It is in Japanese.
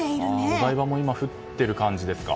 お台場も今降ってる感じですか。